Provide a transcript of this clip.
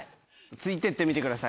ついてってみてください。